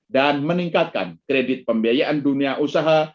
dan meningkatkan kredit pembiayaan dunia usaha